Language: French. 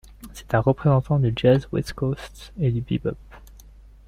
C'est un représentant du Jazz West Coast et du bebop.